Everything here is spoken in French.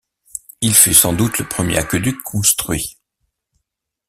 Il fut sans doute le premier aqueduc construit.